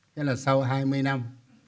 tức là sau hai mươi năm